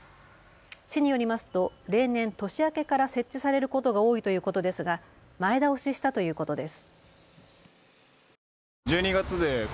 市によりますと例年、年明けから設置されることが多いということですが前倒ししたということです。